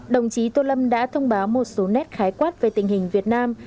đồng chí tô lâm đã thông báo một số nét khái quát về tình hình việt nam